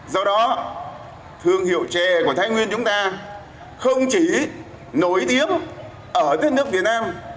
do đó thương hiệu trà của thái nguyên chúng ta không chỉ nổi tiếng ở thế nước việt nam